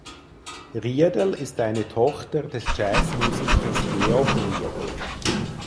Riedel ist eine Tochter des Jazzmusikers Georg Riedel.